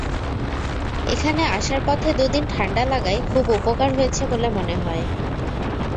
এখানে আসার পথে দুদিন ঠাণ্ডা লাগায় খুব উপকার হয়েছে বলে মনে হয়।